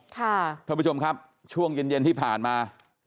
ท่านผู้ชมครับช่วงเย็นที่ผ่านมา